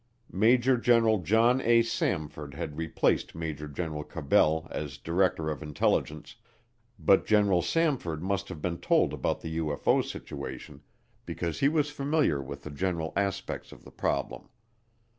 Major General John A. Samford had replaced Major General Cabell as Director of Intelligence, but General Samford must have been told about the UFO situation because he was familiar with the general aspects of the problem.